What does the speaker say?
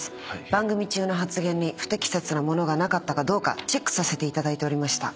番組中の発言に不適切なものがなかったかどうかチェックさせていただいておりました。